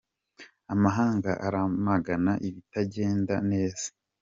Amahanga aramagana ibitajyenda neza